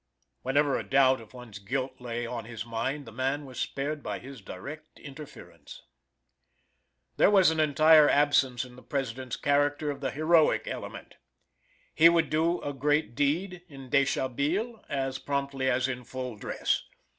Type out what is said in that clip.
Whenever a doubt of one's guilt lay on his mind, the man was spared by his direct interference.. There was an entire absence in the President's character of the heroic element. He would do a great deed in deshabille as promptly as in full dress.